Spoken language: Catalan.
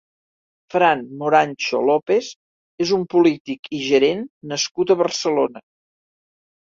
Fran Morancho López és un polític i gerent nascut a Barcelona.